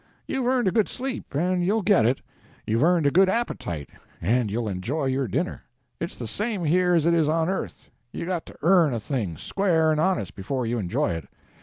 You've earned a good sleep, and you'll get it. You've earned a good appetite, and you'll enjoy your dinner. It's the same here as it is on earth—you've got to earn a thing, square and honest, before you enjoy it.